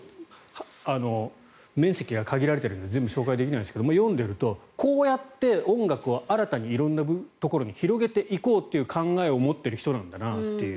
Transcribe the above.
面積が限られているので全部紹介できないですが読んでいると、こうやって音楽を新たに色んなところに広げていこうという考えを持っている人なんだなと。